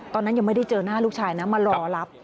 ตอนนั้นยังไม่ได้เจอหน้าลูกชายนะมารอรับ